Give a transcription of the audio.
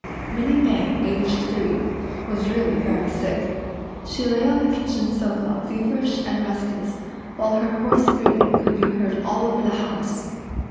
Minnie May, aged three, was really very sick. She lay on the kitchen sofa feverish and restless, while her hoarse breathing could be heard all over the house.